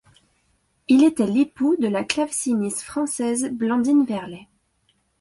Il était l'époux de la claveciniste française Blandine Verlet.